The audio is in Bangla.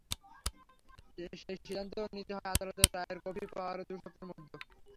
সেই সিদ্ধান্তও নিতে হবে আদালতের রায়ের কপি পাওয়ার দুই সপ্তাহের মধ্যে।